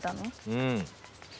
うん。